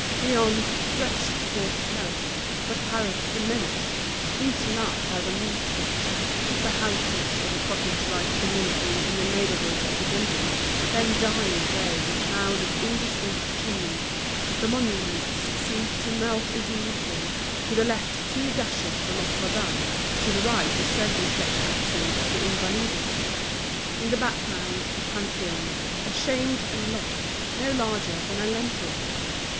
Beyond, stretched forth Paris, but Paris diminished, eaten up by the monster: the houses, of a cottage like humility in the neighborhood of the building, then dying away in a cloud of indistinct chimneys; the monuments seemed to melt into nothing, to the left two dashes for Notre Dame, to the right a circumflex accent for the Invalides, in the background the Panthéon, ashamed and lost, no larger than a lentil.